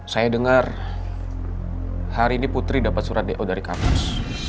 saya dengar hari ini putri dapat surat do dari kapas